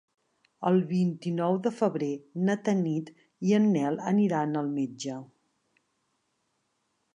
El vint-i-nou de febrer na Tanit i en Nel aniran al metge.